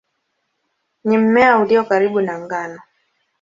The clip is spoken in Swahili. Ni mmea ulio karibu na ngano.